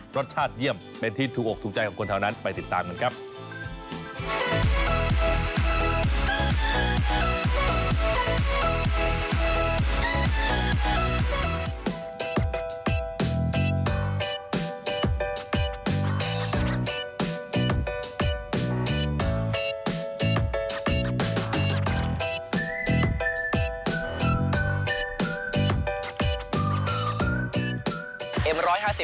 รสชาติเยี่ยมเป็นที่ถูกอกถูกใจของคนเท่านั้นไปติดตามกันครับ